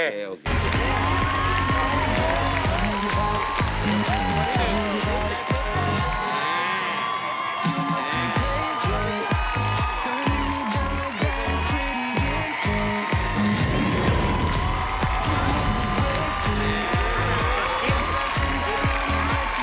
ตอนนี้มีบ้านแหละใกล้สิริเกียรติ